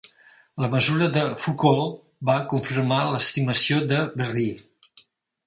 La mesura de Foucault va confirmar l'estimació de Verrier.